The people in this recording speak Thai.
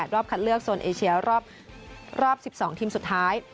รอบคัดเลือกโซนเอเชียรอบ๑๒ทีมสุดท้าย